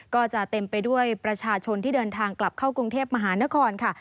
ก็จะเต็มไปด้วยประชาชนที่เดินทางกลับเข้ากรุงเทพมหานครค่ะ